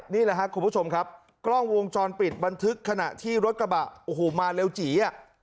นี่แหละคุณผู้ชมครับกล้องวงจรปิดบันทึกขณะที่รถกระบะมาเร็วจี๋